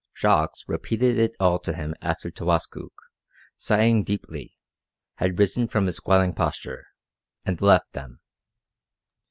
Jacques repeated it all to him after Towaskook, sighing deeply, had risen from his squatting posture, and left them.